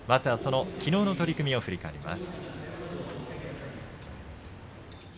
きのうの取組を振り返ります。